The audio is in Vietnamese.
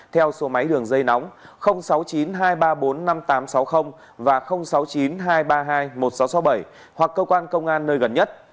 theo số máy đường dây nóng sáu mươi chín hai trăm ba mươi bốn năm nghìn tám trăm sáu mươi và sáu mươi chín hai trăm ba mươi hai một nghìn sáu trăm sáu mươi bảy hoặc cơ quan công an nơi gần nhất